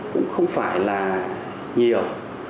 cũng không phải là nhiều